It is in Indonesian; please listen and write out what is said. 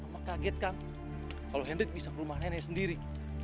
mama kagetkan kalau hendrik bisa ke rumah nenek sendiri